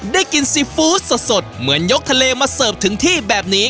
ได้กินซีฟู้ดสดเหมือนยกทะเลมาเสิร์ฟถึงที่แบบนี้